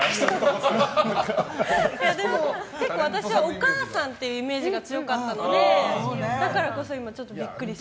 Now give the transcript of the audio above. でも、結構私はお母さんっていうイメージが強かったのでだからこそ今ちょっとビックリして。